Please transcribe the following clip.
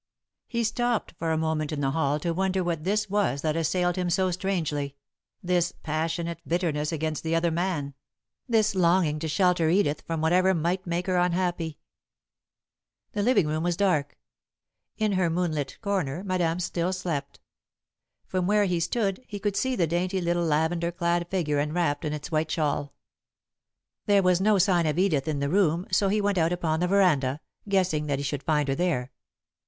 He stopped for a moment in the hall to wonder what this was that assailed him so strangely, this passionate bitterness against the other man, this longing to shelter Edith from whatever might make her unhappy. [Sidenote: On the Veranda] The living room was dark. In her moonlit corner, Madame still slept. From where he stood, he could see the dainty little lavender clad figure enwrapped in its white shawl. There was no sign of Edith in the room, so he went out upon the veranda, guessing that he should find her there.